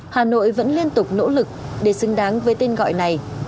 hà nội vẫn liên tục nỗ lực để xứng đáng với tên gọi này